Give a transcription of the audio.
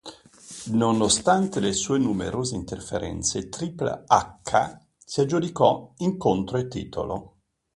Nonostante le sue numerose interferenze, Triple H si aggiudicò incontro e titolo.